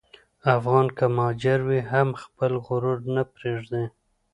افغان که مهاجر وي، هم خپل غرور نه پرېږدي.